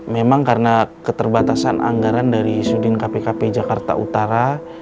memang karena keterbatasan anggaran dari sudin kpkp jakarta utara